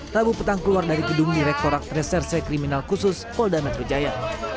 tabu petang keluar dari gedung direktorat reserse kriminal khusus polda metro jaya